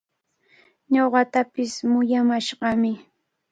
Ñuqatapish muyamashqami.